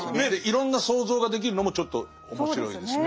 いろんな想像ができるのもちょっと面白いですね。